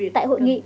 tại hội nghị